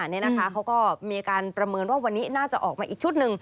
นี่นะคะเขาก็มีการประเมินว่าวันนี้น่าจะออกมาอีกชุดหนึ่ง